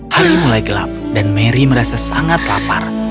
hari mulai gelap dan mary merasa sangat lapar